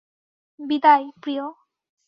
বিদায়, প্রিয়।